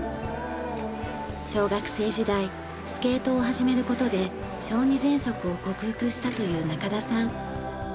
小学生時代スケートを始める事で小児喘息を克服したという中田さん。